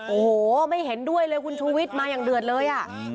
โอ้โหไม่เห็นด้วยเลยคุณชูวิทย์มาอย่างเดือดเลยอ่ะ